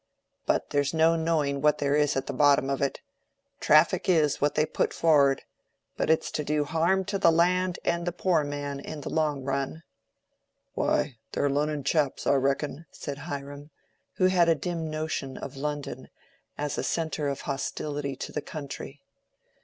But there's no knowing what there is at the bottom of it. Traffic is what they put for'ard; but it's to do harm to the land and the poor man in the long run." "Why, they're Lunnon chaps, I reckon," said Hiram, who had a dim notion of London as a centre of hostility to the country.